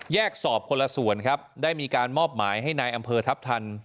สอบคนละส่วนครับได้มีการมอบหมายให้นายอำเภอทัพทัน